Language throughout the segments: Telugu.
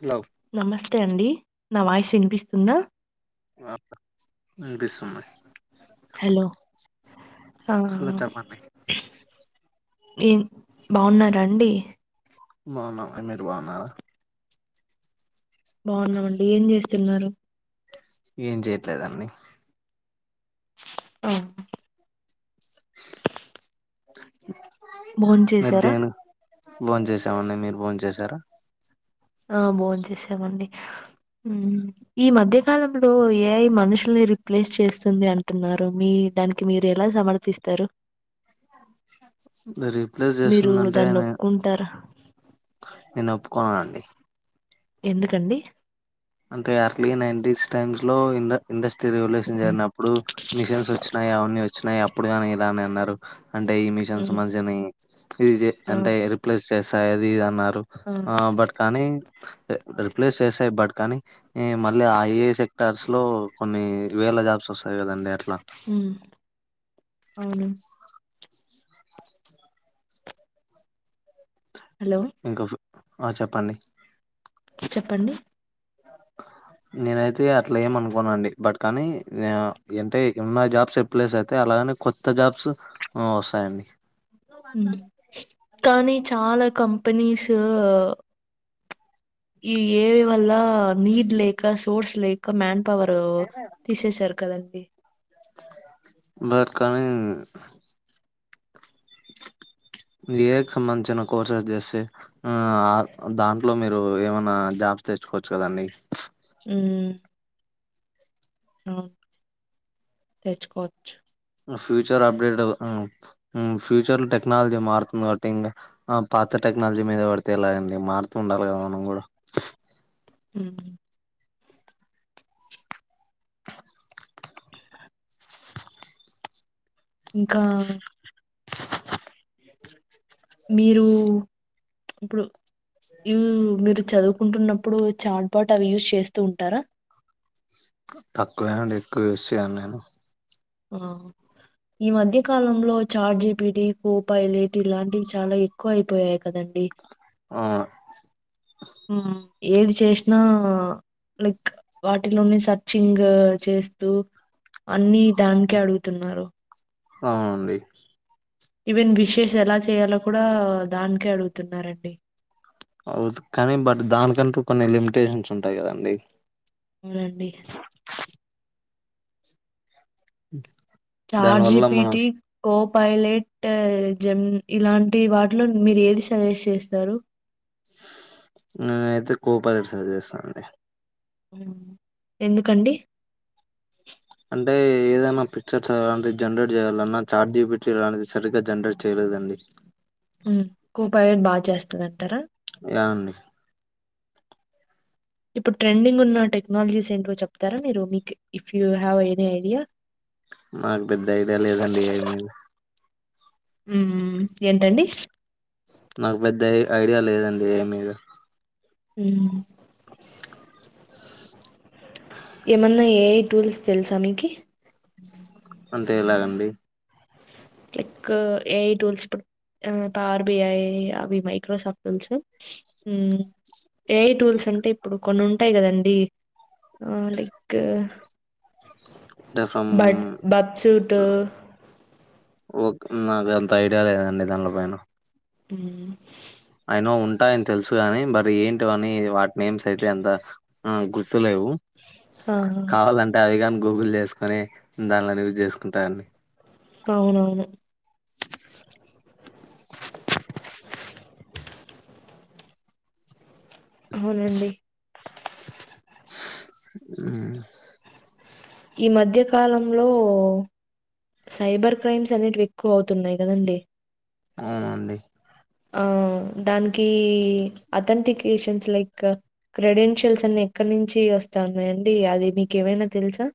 హలో నమస్తే అండి నా వాయిసు వినిపిస్తుందా ఆ వినిపిస్తుంది హలో ఆ హలో చెప్పండి ఏ బాగున్నారా అండి బావున్నాం మీర్ బావున్నారా బాగున్నామండి ఏం చేస్తున్నారు ఏం చేయట్లేద్ అండి ఆ భోన్ చేసారా నిద్యను బోన్ చేసి అవునాని మీరు డోన్ చేశారా ఆ భోం చేసామండి ఈ మధ్యకాలంలో ఏఐ మనుషుల్ని రిప్లేస్ చేస్తుంది అంటున్నారు మీ దానికి మీరు ఎలా సమర్థిస్తారు రీప్లేస్ మీరు దాన్ని చేస్తుందంటేనే ఒప్పుకుంటారా నేను ఒప్పుకోను అండి ఎందుకండి అంటే అర్లీ నైన్ంటస్ టైమ్స్ లో ఇండ్ ఇండస్ట్రీ రివల్యూషన్ జరిగినడు అప్పుడు మిషన్స్ వచ్చినాయి అవన్నీ వచ్చినాయి అప్పుడు కానీ ఇదా అని అన్నారు అంటే ఈ మిషన్స్ మ్మ్ మంషిని ఇది ఆ అంటే రిప్లేస్ చేస్తాయి అది ఇది అన్నారు ఆ బట్ కానీ రీప్లేస్ బట్ కానీ మళ్ళీ ఆ ఏ సెక్టర్స్ లో కొన్ని వేల జాబ్స్ వసాయి కదా ఉమ్మ్ అవును హలో ఇంకా ఫ్ ఆ చెప్పండి చెప్పండి నేనైతే అట్లా ఏమ అనుకోను అండి బట్ కానీ అంటే ఉన్నా జాబ్స్ ఎప్పులేస్ అయితే అలాగనే కొత్త జాబ్స్ వసాయండి హ్మ్మ్ కానీ చాలా కంపెనీస్ ఈ ఏవి వల్ల నీడ్ లేక సోర్స్ లేక మ్యాన్ పవారు తీసేసారు కదండి బట్ కానీ ఏ ఎక్స్ సంబంధించన కోర్సెస్ చేస్తే ఆ దాంట్లో మీరు ఏమైనా జాబ్ ఫస్ట్ తెచ్చుకోచ్చు కదా అండి హ్మ్మ్ హమ్ తేచకోచ్చ్ ఫ్యూచర్ అప్డేట్ హ్మ్మ్ హ్మ్మ్ ఫ్యూచర్ లో టెక్నాలజీ మారుతుంది కాబట్టి ఇంగా ఆ పాత టెక్నాలజీ మీద పడితే ఎలాగండి మారుతుండాల గదా మనం కూడా హ్మ్మ్ ఇంకా మీరు ఇప్పుడు ఇమ్ మీరు చదువుకుంటున్నప్పుడు చార్ట్ పాట్ అవి యూజ్ చేస్తూ ఉంటారా తక్కువే అండి ఎక్కువ యూస్ చేయను నేను ఆ ఈ మధ్య కాలంలో చార్ట్ జీపిటి కూపా ఇలేట్ ఇలాంటివి చాలా ఎక్కువ అయిపోయాయి కదండి ఆ ఉ ఏది చేసినా లేక్ వాటినుండి సర్చ్చింగ్ చేస్తూ అన్ని దానికే అడుగుతున్నారు అవునండి ఈవెన్ విషేస్ ఎలా చేయాలో కూడా దానికే అడుగుతున్నారండి అవుద్ కానీ బట్ దానికంటూ కొన్ని లిమిటేషన్స్ ఉంటాయి కదండి అవునండి ఉ చార్జిపిటి కోప్ పైలెట్ జమ్ ఇలాంటి వాటిలో మీరు ఏది సజెస్ట్ చేస్తారు నేను అయితే కోపరేట్ సజెస్ట్ చేస్తానండి మ్ ఎందుకండి అంటే ఏదైనా పిక్చర్స్ అలాంటి జనరేట్ చేయాలన్నా చార్ జీపిటి అలాంటిది సరిగ్గా జనరేట్ చేయలేదండి ఉహు కొపాయి బాగా చేస్తదన్టనా యా అండి ఇప్పుడు ట్రెండింగ్ ఉన్న టెక్నాలజీస్ ఏంటో చెప్తారా మీరు మీక్ if you have any idea నాకు పెద్ద ఐడియా లేదండి ఏమీయు ఉహు ఏంటండి నాకు పెద్ద ఐడియా లేదండి దేని మీద ఉహు ఏమన్నా ఏ ఐ టూల్స్ తెలుసా మీకి అంటే ఎలాగండి లైక్ ఏఐ టూల్స్ ఇప్పుడు ఆ పావర్ బిఐ అవి మైక్రోసాఫట్స్ తేలుసుగా ఏఐ టూల్స్ అంటే ఇప్పుడు కొన్ని ఉంటాయి కదండి లైక్ అంటే ఫ్రమ్ బట్ బబ్ సూటు ఓకే నాకు అంత ఐడియా లేదండి దాంట్లో పైన మ్ ఐ నో ఉంటాయని తెలుసుగాని మరి ఏంటి అని వాటిని నేమ్స్ అయితే అంత గుర్ గుర్తు లేవు ఆ కావాలంటే అవి గాని గూగుల్ చేసుకొని దానిలోనే ఇవి చేసుకుంటా అండి అవునవును అవునండి ఉ ఈ మధ్య కాలంలో సైబర్ క్రైమ్స్ అనేటివి ఎక్కువ అవుతున్నాయి కదండి అవునండి ఆ దానికి అథెంటికేషన్స్ లైక్ క్రెడెన్షియల్స్ అన్ని ఎక్కడి నుంచి వస్ స్తా ఉన్నాయండి అది మీకె ఏమైనా తెలుసా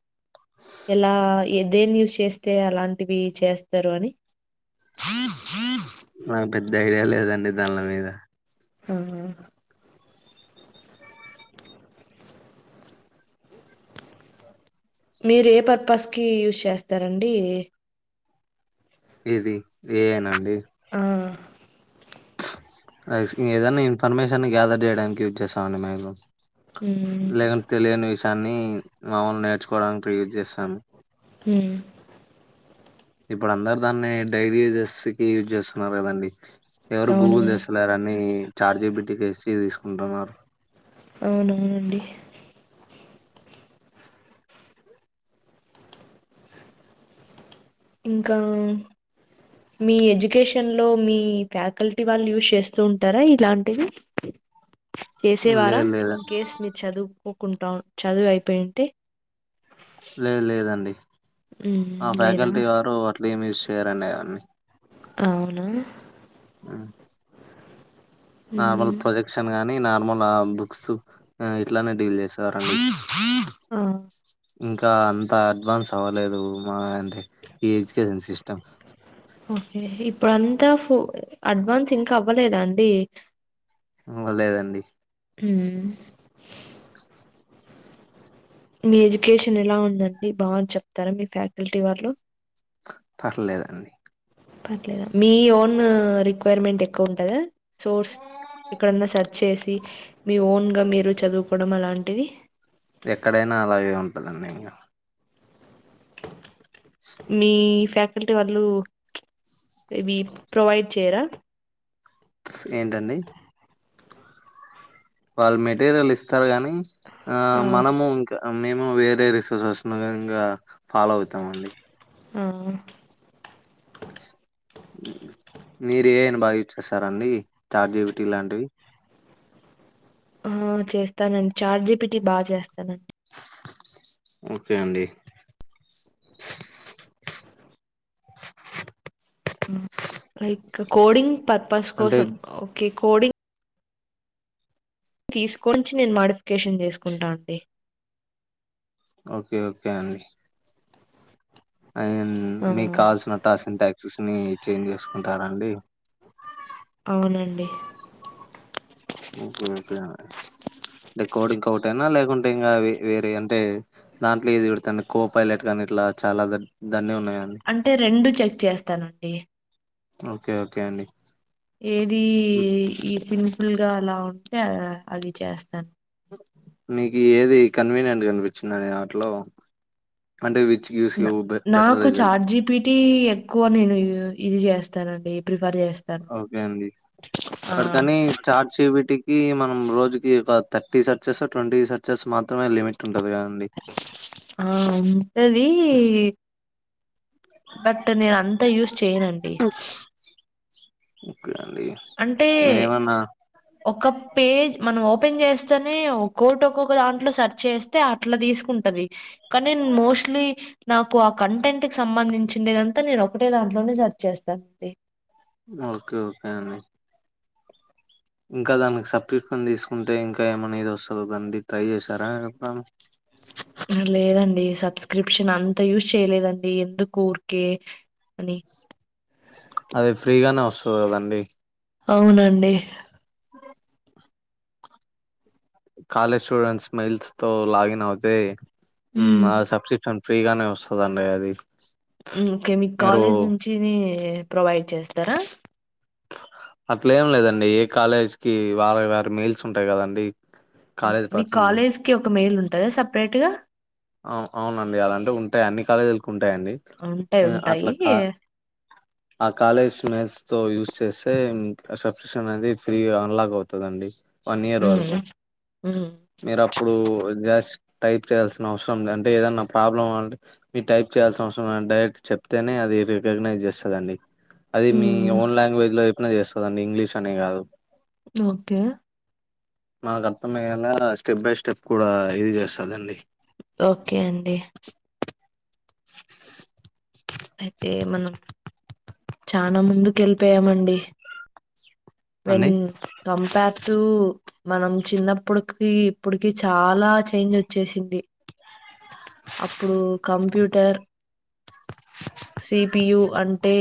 ఎలా ఏ దేని యూస్ చేస్తే అలాంటివి చేస్తారు అని చీస్ చీస్ నాక్ పెద్ద ఐడియా లేదండి దాన్ ల మీద ఆఆ మీరు ఏ పర్పస్కి యూస్ చేస్తారండి ఇ ఇది ఫ్రీఏనాండి ఆ ఏదైనా ఇన్ఫర్మేషన్ గ్యాదర్ చేయడానికి యూస్ చేస్తామండి మేము మ్మ్. లేకంటే తెలియని విషయాన్ని మములుగా నేర్చుకోవడానికి యూజ్ చేస్తాము హుమ్ ఇప్పుడు అందరు దాన్ని డైరీ యజెస్ కి యూజ్ చేస్తున్నారు కదండి ఎవరు గూగుల్ అవునవును. చేసులేరు అన్ని చార్జిబిటీసి తీసుకుంటున్నారు అవున ఇంకా మీ ఎడ్యుకేషన్ లో మీ ఫ్యాకల్టీ వాళ్ళు యూస్్ చేస్తూ ఉంటారా ఇలాంటివి చేసేవారా లేదు లేదు ఇన్ కేస్ మీరు చదువు కోకుంటాం చదువు అయిపోయుంటే లేదు లేదండి హ్మ్. ఆ లేదా? ఫ్యాకల్టీ వారు అట్లే ఏమి యూజ్ చేయారండి అవన్నీ అవున ఉమ్. నార్మల్ ప్రొజెక్షన్ గానీ నార్మల్ బుక్స్ ఆ ఇట్లానే డీల్ చేసేవారండి ఆ! ఇంకా అంత అడ్వాన్స్ అవ్వలేదు మాద్ అన్ ఈ ఎజ్యుకేషన్ సిస్టమ్ ఓకే. ఇప్పుడంతా ఫు అడ్వాన్స్ ఇంకా అవ్వలేదా అండి అవ్వలేదండి హుమ్ మీ ఎడ్యుకేషన్ ఎలా ఉందండి బావుం చెప్తారా మీ ఫ్యాకల్టీ వాళ్ళు పర్లేదండి పర్లేదా మీ ఓన్ రిక్వైర్మెంట్ ఎక్కువ ఉంటదా సోర్స్ ఎక్కడన్నా సెర్చ్ చేసి మీ ఓన్ గా మీరు చదువుకోవడం అలాంటివి ఎక్కడైనా అలాగే ఉంటందండి ఇంగ మీ ఫ్యాకల్టీ వాళ్ళు ఇవి ప్రొవైడ్ చేయరా ఏంటండి వాళ్ళు మెటీరియల్ ఇస్తారు గాని ఆ మనము ఇంకా మేము వేరే రిసోర్సెస్ ను ఇంగ ఫాలో అవుతామ అండి ఆ మీరు ఏ ఐని బాగా యూస్ చ్చేస్తారండి చాట్ జిపిటి లాంటివి ఆ చేస్తానండి చార్జీపిటిటీ బాగా చేస్తానం ఓకే అండి లైక్ కోడింగ్ పర్పస్ అంటే కోసం ఓకే కోడింగ్ తీసుకొచ్చి నేను మాోడిఫికేషన్ చేసుకుంటాఅండి ఓకే ఓకే అండి అయ్ ఆ మీకు కాల్సినట్టు అసిన టాక్సీస్ ని చేంజ్ చేస్ టర అండి అవునండి ఓకే కే అంటే కోడింగ్ ఒకటేనా లేకుంటే ఇంగ వ వేరే అంటే దాంట్లో ఏది పెడతండి కో పైలట్ కానీ ఇట్లా చాలా ద్ దాన్ని ఉన్నాయ్ అంటే రెండు చెక్ చేస్తానండి ఓకే ఓకే అండి ఏది ఈ సింపుల్ గా అలా ఉంటే అది చేస్తాన్ మీకు ఏది కన్వీనియంట్గా అనిపించిందని వాటిలో అంటే గివ్స్ న యూ బె బెటర్ నాకు రిజల్ట్ చార్జిపిటి ఎక్కువ నేను ఇది చేస్తానండి ప్రి ఓకే అండి ఆ! బట్ కాని చాట్ జి పి టీ ఈ మనం రోజుకి ఒక థర్టీ సర్చెస్ ట్వంటీ సర్చెస్ మాత్రమే లిమిట్ ఉంటది కదండి. ఆ ఉంటది బట్ నేను అంతా యూజ్ చేయనండి ఓకే అండి. అంటే మీరేమన్నా ఒక పేజ్ మనం ఓప ఓపెన్ చేస్తేనే ఒక్కోటి ఒక్కొక్క దాంట్లో సర్చ్ చేస్తే అట్లా తీసుకుంటది కనీన్ మోస్ట్లీ నాకు ఆ కంటెంట్ కి సంబంధించిేదంతా నేను ఒకటే దాంట్లోనే సెర్చ్ చేస్తానండి ఓకే ఓకే అండి ఇంకా దానికి సబ్స్కప్షన్ తీసుకుంటే ఇంకా ఏమనేది వస్తుంద దండి ట్రై చేశారా చె లేదండి సబ్స్క్రిప్షన్ అంత యూజ్ చేయలేదండి ఎందుకూ ఊరికే అండి అదే ఫ్రీగానే వస్తది కదండి అవునండి కాలేజ్ స్టూడెంట్స్ మెయిల్స్ తో లాగిన్ అవుతే హ్మ్. ఆ సబ్స్క్రిప్షన్ ఫ్రీగానే వస్తదండి అది ఓకే మీకు మీరు కాలేజ్ నుంచినీ ప్రొవైడ్ చేస్తారా అట్లేం లేదండి ఏ కాలేజ్ కి వారి వారి మెయిల్స్ ఉంటాయి కదండి కాలేజ్ మీ పర్సనల్ మెస్ కాలేజ్కి ఒక మెయిల్ ఉంటదా సపరేట్ గా అ అవునండి అలాంటే ఉంటాయి అన్ని కాలేజీకి ఉంటాయండి ఉంటాయి. ఉ ఉంటాయి. అట్లకా ఆ కాలేజ్ మెయిల్స్ తో యూస్ చేస్తే సబ్క్రిప్షన్ అనేది ఫ్రీగా అన్లాక్ అవుతదండి వన్ ఇయర్ వరకు హ్మ్. హ్మ్. మీరు అప్పుడు జస్ట్ టైప్ చేయాల్సి అవసరం అంటే ఏదన్నా ప్రాబ్లం అంటే మీరు టైప్ చేయాల్సిన అవసరం డైరెక్ట్ చెప్తేనే అది రికగ్నైజ్ చేస్తదండి అది మీ హ్మ్. ఓన్ లాంగ్వేజ్ లో చెప్పినా చేస్తదండి ఇంగ్లీష్ అనే కాదు ఓకే మనకు అర్థమయ్యేలా స్టెప్ బై స్టెప్ కూడా ఇది చేస్తదండి ఓకే అండి అయితే మనం చానా ముందు వెళ్ళిపోయామండి వెన్ అండి కంపేర్ టు మనం చిన్నప్పటికి ఇప్పుటికి చాలా చేంజ్ వచ్చేసింది అప్పుడు కంప్యూటర్ సిపియు అంటే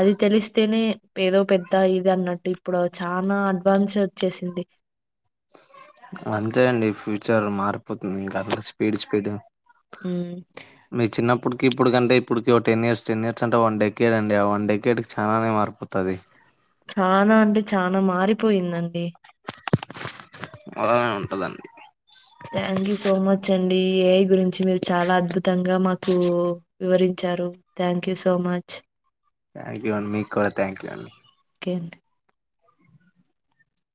అది తెలిస్తేనే ఏదో పెద్ద ఇది అన్నట్టు ఇప్పుడు చానా అడ్వాన్స్ వచ్చేసింది అంతే అండి ఫ్యూచర్ మారిపోతుంది ఇంకా అట్ల స్పీడ్ స్పీడ్ ఉ ఇప్పటికి ఇప్పుడుకంటే ఇప్పటికకి టెన్ ఇయర్స్ టెన్ ఇయర్స్ అంటే వన్ డేకేడ్ అండి ఆ వన్ డకేడ్ కి చానే మారిపోతది చానా అంటే చానా మారిపోయిందండి అలానే ఉంటదండి thank you so much an AI గురించి మీరు చాలా అద్భుతంగా మాకు వివరించారు thank you so much thank you అండి మీకు కూడా థ్యాంక్ యూ అండి ఒకే అండీ